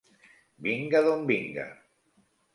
Vinga d'on vinga.